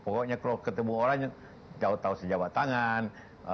pokoknya kalau ketemu orang jauh jauh sejabat tangan